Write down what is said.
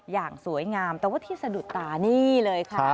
อย่างสวยงามแต่ว่าที่สะดุดตานี่เลยค่ะ